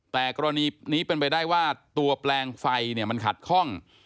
แต่กรณีนี้เป็นไปได้ว่าตัวแปลงไฟเนี่ยมันขัดข้อง